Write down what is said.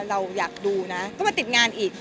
เราอยากดูนะก็มาติดงานอีก